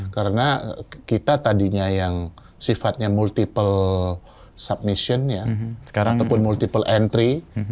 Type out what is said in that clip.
karena kita tadinya yang sifatnya multiple submission ya ataupun multiple entry